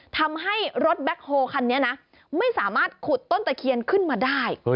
ทำให้รถแบ็คโฮลคันนี้นะไม่สามารถขุดต้นตะเคียนขึ้นมาได้